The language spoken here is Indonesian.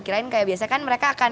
kirain kayak biasanya kan mereka akan